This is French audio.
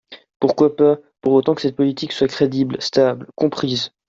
Pourquoi pas, pour autant que cette politique soit crédible, stable, comprise.